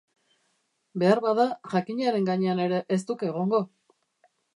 Beharbada jakinaren gainean ere ez duk egongo!...